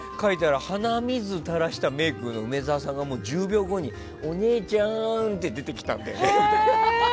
鼻水を垂らしたメイクの梅沢さんが１０秒後にお姉ちゃん！って出てきたの。